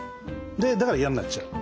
だから嫌になっちゃう。